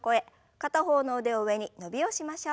片方の腕を上に伸びをしましょう。